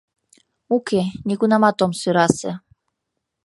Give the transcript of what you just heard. — Уке, нигунамат ом сӧрасе.